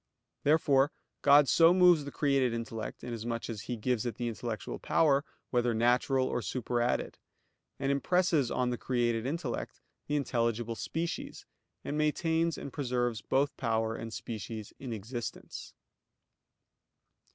Therefore God so moves the created intellect, inasmuch as He gives it the intellectual power, whether natural, or superadded; and impresses on the created intellect the intelligible species, and maintains and preserves both power and species in existence.